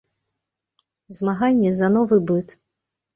Змаганне за новы быт.